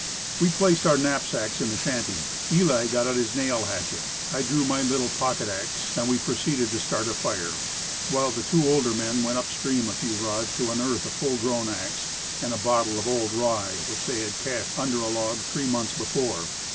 We placed our knapsacks in the shanty, Eli got out his nail hatchet, I drew my little pocket , axe, and we proceeded to start a fire, while the two older men went up stream a few rods to unearth a full grown axe and a bottle of old rye, which they had cached under a log three months before.